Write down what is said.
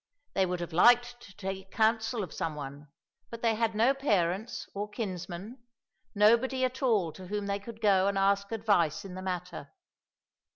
They would have liked to take counsel of some one, but they had no parents or kinsmen, nobody at all to whom they could go and ask advice in the matter.